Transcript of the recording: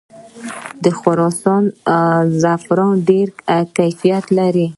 د خراسان زعفران ډیر کیفیت لري.